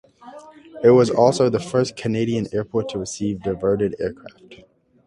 It was also the first Canadian airport to receive diverted aircraft.